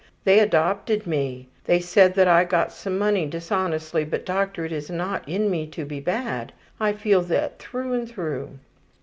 They adopted me. They said that I got some money dishonestly, but, doctor, it is not in me to be bad. I feel that through and through.